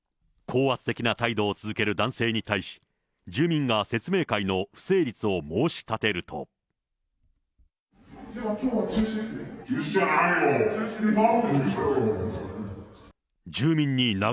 高圧的な態度を続ける男性に対し、住民が説明会の不成立を申ではきょうは中止ですね。